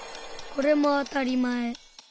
これもあたりまえ。